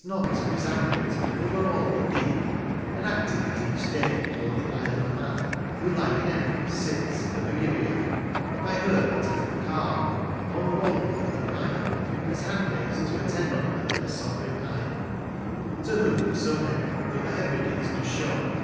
182 rOLY OLBION, Tliey cease not to resound it over all the deep, And acted it each day before the Isle of Man, Who like an Empress sits in the Virgman, By her that hath the Colfc,'^ long IFalmnj, and the Fyle, 205 As hand maids to attend on her their Sovereign Isle, To whom, so many though the liehrkles do show.